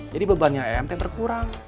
jadi bebannya emt terkurang